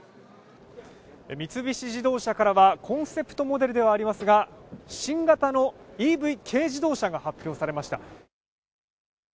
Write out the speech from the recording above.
三菱自動車からは、コンセプトモデルではありますが新型のＥＶ軽自動車が発表されました。